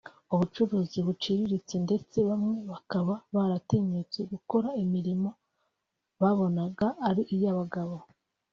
ubucuruzi buciriritse ndetse bamwe bakaba banatinyuka gukora imirimo babonaga ari iy’abagabo